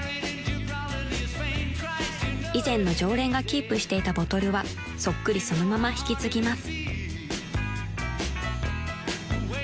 ［以前の常連がキープしていたボトルはそっくりそのまま引き継ぎます］